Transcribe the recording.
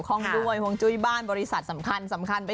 ต้องใส่สีขาวนะฮะ